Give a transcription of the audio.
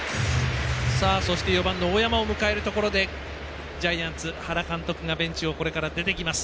そして、４番の大山を迎えるところでジャイアンツ、原監督がベンチを出てきます。